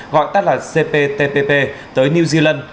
gọi tắt là cptpp tới new zealand